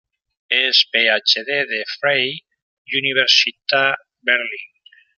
Es PhD de Freie Universität Berlin.